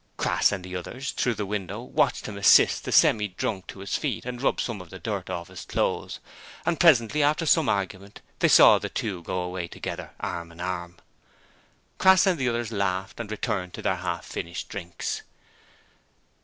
Crass and the others through the window watched him assist the Semi drunk to his feet and rub some of the dirt off his clothes, and presently after some argument they saw the two go away together arm in arm. Crass and the others laughed, and returned to their half finished drinks.